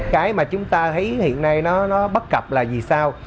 cái mà chúng ta thấy hiện nay nó bất cập là vì sao